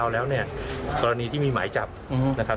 แล้วเนี่ยกรณีที่มีหมายจับนะครับ